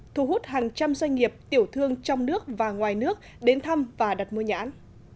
thu hút hàng trăm doanh nghiệp tiểu thương trong nước và ngoài nước đến thăm và đặt mua nhãn